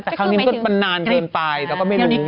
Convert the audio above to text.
แต่ครั้งนี้มันก็มันนานเกินไปเราก็ไม่รู้